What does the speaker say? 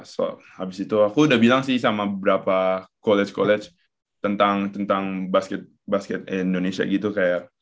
so habis itu aku udah bilang sih sama beberapa college college tentang basket indonesia gitu kayak